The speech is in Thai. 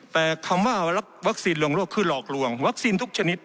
แต่คำว่าวัคซีนลวงโลกคือหลอกลวงวัคซีนทุกชนิด